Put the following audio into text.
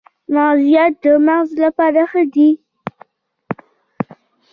مغزيات د مغز لپاره ښه دي